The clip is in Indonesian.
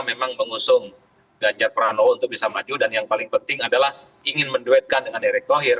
memang mengusung ganjar pranowo untuk bisa maju dan yang paling penting adalah ingin menduetkan dengan erick thohir